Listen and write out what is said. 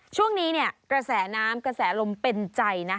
ช่วงนี้เนี่ยกระแสน้ำกระแสลมเป็นใจนะ